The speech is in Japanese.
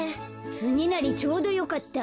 つねなりちょうどよかった。